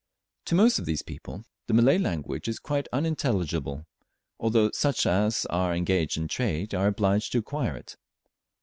To most of these people the Malay language is quite unintelligible, although such as are engaged in trade are obliged to acquire it.